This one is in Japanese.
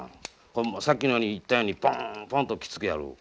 さっきのように言ったようにポンポンときつくやる。